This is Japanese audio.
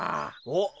おっ。